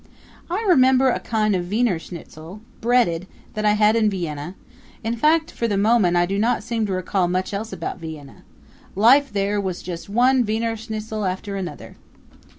I remember a kind of Wiener schnitzel, breaded, that I had in Vienna; in fact for the moment I do not seem to recall much else about Vienna. Life there was just one Wiener schnitzel after another.